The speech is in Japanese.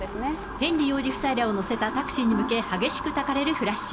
ヘンリー王子夫妻が乗るタクシーに向け、激しくたかれるフラッシュ。